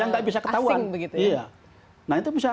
yang nggak bisa ketahuan nah itu bisa